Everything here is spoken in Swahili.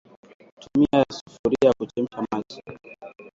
Tumia sufuria kuchemsha maji